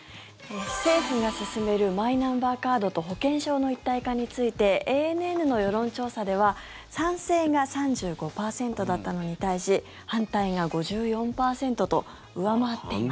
政府が進めるマイナンバーカードと保険証の一体化についてＡＮＮの世論調査では賛成が３５％だったのに対し反対が５４％と上回っています。